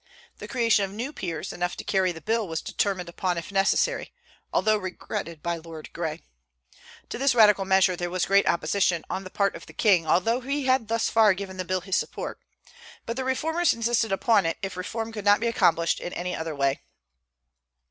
The creation of new peers, enough to carry the bill, was determined upon if necessary, although regretted by Lord Grey. To this radical measure there was great opposition on the part of the king, although he had thus far given the bill his support; but the reformers insisted upon it, if reform could not be accomplished in any other way.